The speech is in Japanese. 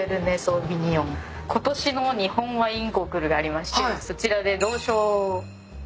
ことしの日本ワインコンクールがありましてそちらで銅賞を。